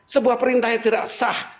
sebuah perintah yang tidak sah